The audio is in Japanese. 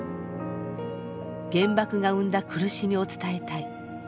原爆が生んだ苦しみを伝えたい。